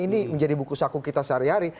ini menjadi buku sakung kita sehari hari